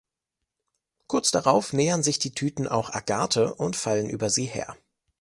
Kurz darauf nähern sich die Tüten auch Agathe und fallen über sie her.